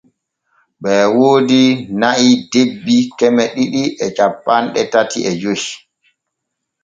Ɓee woodi na’i debbi keme ɗiɗi e cappanɗe tati e joy.